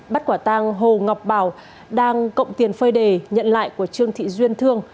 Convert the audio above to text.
bắt quả tang hồ ngọc bảo đang cộng tiền phơi đề nhận lại của trương thị duyên thương